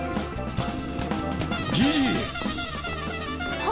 ・あっ！